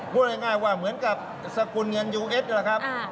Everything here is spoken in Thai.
พูดง่ายว่าเหมือนกับสกุลเงินยูเอ็ดนี่แหละครับ